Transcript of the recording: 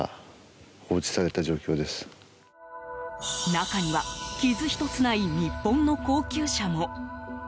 中には傷一つない日本の高級車も。